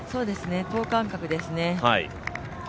等間隔ですね。